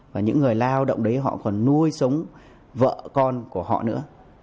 và những người lao động đấy họ còn nuôi sống vợ con của họ nữa